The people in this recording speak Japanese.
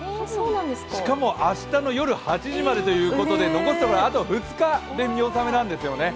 しかも明日の夜８時までということで残すところ、あと２日で見納めなんですよね。